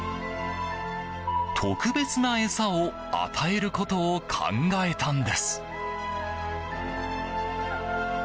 特別な餌を与えることを考えたんです。